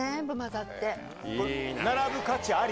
並ぶ価値あり？